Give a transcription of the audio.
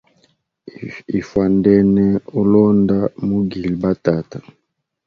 Ifwandene ulonda mugile batata.